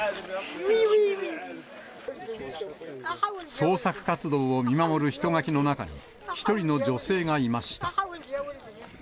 捜索活動を見守る人垣の中に、１人の女性がいました。